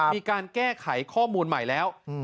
มีการแก้ไขข้อมูลใหม่แล้ว